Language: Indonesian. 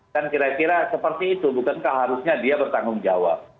kan kira kira seperti itu bukankah harusnya dia bertanggung jawab